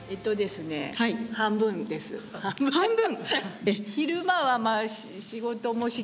半分？